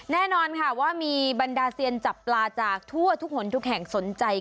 แน่นอนค่ะว่ามีบรรดาเซียนจับปลาจากทั่วทุกหนทุกแห่งสนใจ